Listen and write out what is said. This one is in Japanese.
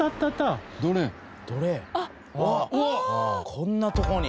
こんなとこに。